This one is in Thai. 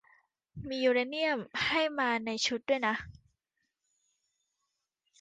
มียูเรเนียมให้มาในชุดด้วยนะ